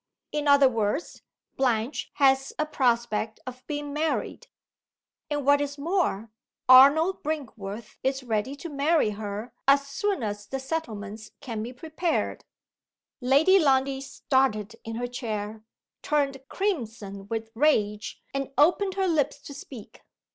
In other words, Blanche has a prospect of being married. And what is more, Arnold Brinkworth is ready to marry her as soon as the settlements can be prepared." Lady Lundie started in her chair turned crimson with rage and opened her lips to speak.